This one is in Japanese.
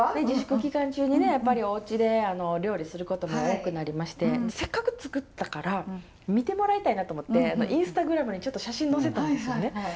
自粛期間中にねやっぱりおうちで料理することも多くなりましてせっかく作ったから見てもらいたいなと思ってＩｎｓｔａｇｒａｍにちょっと写真を載せたんですよね。